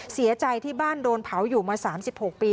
เสียใจที่บ้านโดนเผาอยู่มา๓๖ปี